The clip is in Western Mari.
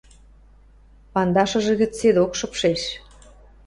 Пандашыжы гӹц седок шыпшеш.